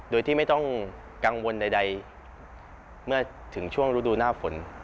โดยที่ไม่ต้องกังวลใดเมื่อถึงช่วงฤดูหน้าฝน